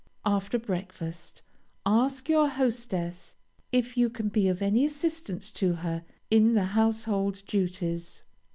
After breakfast, ask your hostess if you can be of any assistance to her in the household duties.